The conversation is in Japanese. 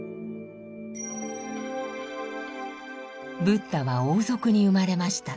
ブッダは王族に生まれました。